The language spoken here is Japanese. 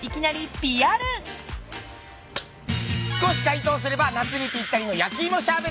少し解凍すれば夏にぴったりの焼き芋シャーベット